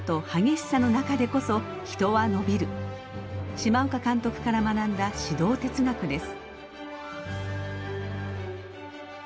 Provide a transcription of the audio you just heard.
島岡監督から学んだ指導哲学です。